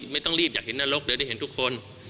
ไม่ต้องรีบอยากเห็นนรกเดี๋ยวได้เห็นทุกคน